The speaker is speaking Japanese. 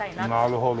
なるほど。